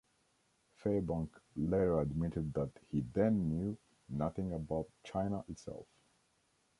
Fairbank later admitted that he then knew nothing about China itself.